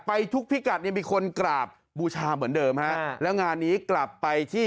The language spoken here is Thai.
ทุกพิกัดยังมีคนกราบบูชาเหมือนเดิมฮะแล้วงานนี้กลับไปที่